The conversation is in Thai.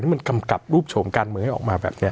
มันกำกับรูปโฉมการเมืองให้ออกมาแบบนี้